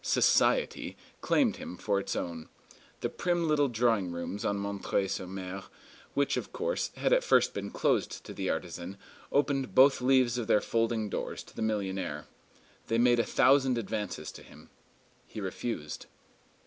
"Society" claimed him for its own. The prim little drawing rooms on M. sur M., which, of course, had at first been closed to the artisan, opened both leaves of their folding doors to the millionnaire. They made a thousand advances to him. He refused.